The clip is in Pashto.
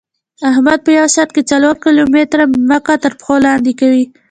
احمد په یوه ساعت کې څلور کیلو متېره ځمکه ترپښو لاندې کوي.